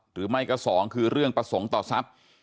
หรือไม่ก็สองคือเรื่องประสงค์ต่อทรัพย์